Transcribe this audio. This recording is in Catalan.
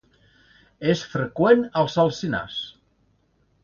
És freqüent als alzinars.